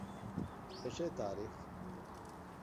ފެށޭ ތާރީޚު